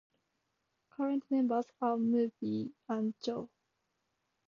Current members are Mavie and Josh.